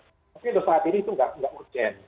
tapi untuk saat ini itu tidak urgent